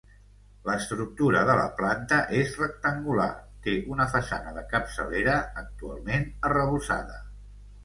L'estructura de la planta és rectangular, té una façana de capçalera, actualment arrebossada.